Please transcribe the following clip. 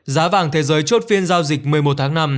giá vàng thế giới chốt phiên giao dịch một mươi một tháng năm